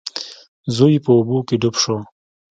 زوی یې په اوبو کې ډوب شو.